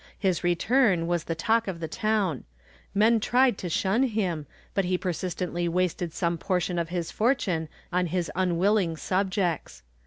His return was the talk of the town. Men tried to shun him, but he persistently wasted some portion of his fortune on his unwilling subjects.